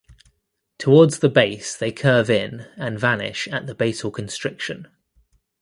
Towards the base they curve in and vanish at the basal constriction.